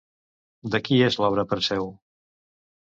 De qui és l'obra Perseu?